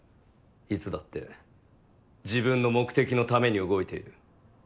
いつだって自分の目的の為に動いている。